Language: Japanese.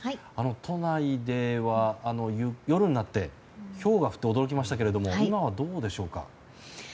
都内では、夜になってひょうが降って驚きましたけれど今はどうでしょうか？